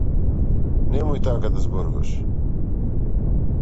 Немој така да зборуваш.